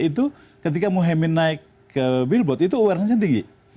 itu ketika mohaimin naik ke billboard itu awarenessnya tinggi